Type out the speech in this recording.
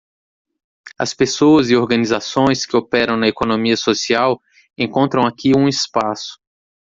As pessoas e organizações que operam na economia social encontram aqui um espaço.